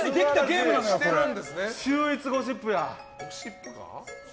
秀逸ゴシップや。